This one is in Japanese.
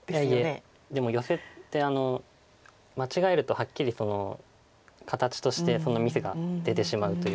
でもヨセって間違えるとはっきり形としてそのミスが出てしまうというか。